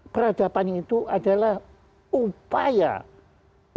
peradaban itu adalah upaya untuk menyadari